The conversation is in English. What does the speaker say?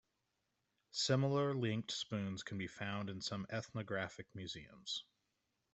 Similar linked spoons can be found in some ethnographic museums.